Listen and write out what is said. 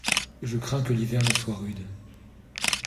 Je crains que l’hiver ne soit rude.